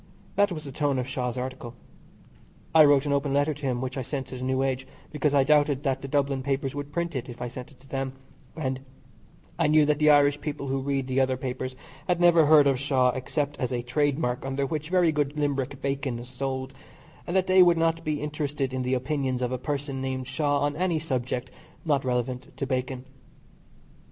That was the tone of Shaw's article. I wrote an open letter to him which I sent to the New Age, because I doubted that the Dublin papers would print it if I sent it to them, and I knew that the Irish people who read the other papers had never heard of Shaw, except as a trade mark under which very good Limerick bacon is sold, and that they would not be interested in the opinions of a person named Shaw on any subject not relevant to bacon.